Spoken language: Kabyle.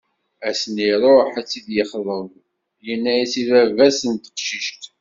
Ass-nn iruḥ ad tt-id-yexḍeb, yenna-as i baba-s n teqcict.